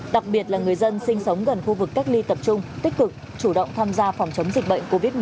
đặc biệt là người dân sinh sống gần khu vực cách ly tập trung tích cực chủ động tham gia phòng chống dịch bệnh covid một mươi chín